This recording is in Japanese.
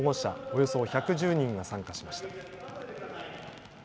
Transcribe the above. およそ１１０人が参加しました。